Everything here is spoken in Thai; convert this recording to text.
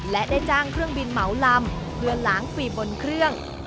และได้จ้างเครื่องบินเหมาลำเพื่อล้างฟิล์มบนเครื่อง